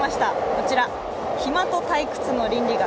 こちら、「暇と退屈の倫理学」